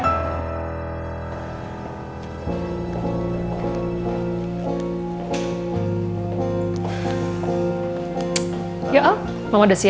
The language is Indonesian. sudah terima kasih